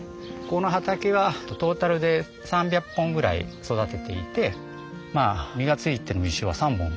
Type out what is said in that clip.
ここの畑はトータルで３００本ぐらい育てていてまあ実がついてる実生は３本。